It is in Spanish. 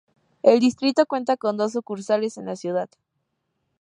El distrito cuenta con dos sucursales en la ciudad.